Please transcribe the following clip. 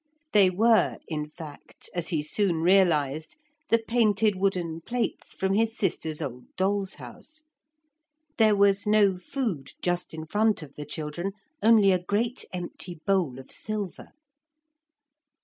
They were, in fact, as he soon realised, the painted wooden plates from his sister's old dolls' house. There was no food just in front of the children, only a great empty bowl of silver.